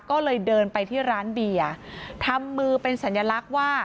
ก็เลยเดินไปที่ร้านเบียร์ทำมือเป็นสัญลักษณ์ว่า